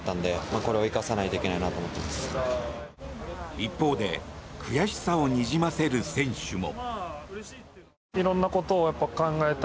一方で悔しさをにじませる選手も。